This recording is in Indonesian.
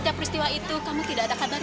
sejak peristiwa itu kamu tidak ada kata kata